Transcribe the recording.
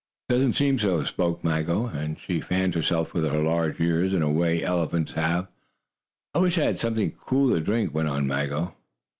"It doesn't seem so," spoke Maggo, and she fanned herself with her large ears, in a way elephants have. "I wish I had something cool to drink," went on Maggo.